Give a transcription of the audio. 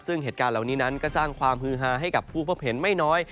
ซึ่งเหตุการณ์เหล่านี้นั้นก็สร้างความฮือฮาให้กับผู้พบเห็นไม่น้อย